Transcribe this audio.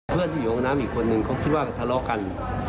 เพื่อนที่อยู่ห้องน้ำอีกคนนึงเขาคิดว่าทะเลาะกัน